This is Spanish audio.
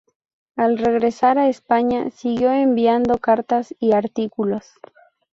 Al regresar a España, siguió enviando cartas y artículos.